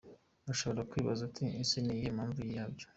Ushobora kwibaza uti ese ni iyihe mpamvu yabyo?.